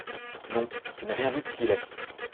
Non, je n’ai rien vu de si laid !